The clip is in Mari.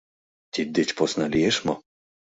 Тиддеч посна лиеш мо?